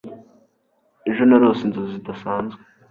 Ejo narose inzozi zidasanzwe